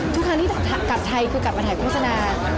ทุกครั้งที่กลับไทยคือกลับมาถ่ายโฆษณา